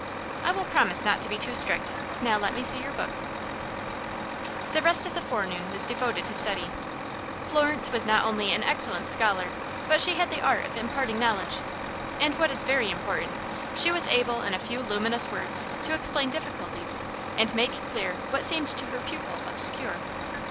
"I will promise not to be too strict. Now let me see your books." The rest of the forenoon was devoted to study. Florence was not only an excellent scholar, but she had the art of imparting knowledge, and, what is very important, she was able in a few luminous words to explain difficulties and make clear what seemed to her pupil obscure.